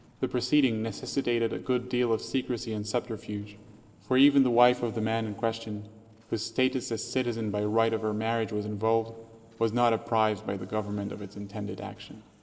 The proceeding necessitated a good deal of secrecy and subterfuge, for even the wife of the man in question, whose status as citizen by right of her marriage was involved, was not apprised by the Government of its intended action.